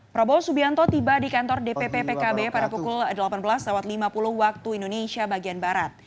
prabowo subianto tiba di kantor dpp pkb pada pukul delapan belas lima puluh waktu indonesia bagian barat